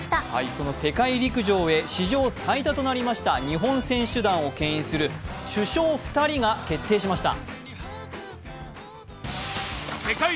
その世界陸上へ史上最多となりました日本選手団をけん引する主将２人が決定しました。